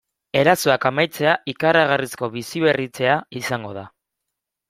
Erasoak amaitzea ikaragarrizko biziberritzea izango da.